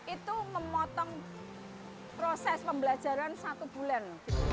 itu memotong proses pembelajaran satu bulan